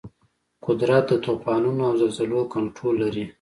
قدرت د طوفانونو او زلزلو کنټرول لري.